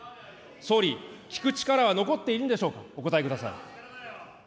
総理、聞く力は残っているんでしょうか、お答えください。